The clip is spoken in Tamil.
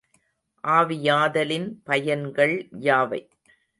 ஆவியாதலின் பயன்கள் யாவை?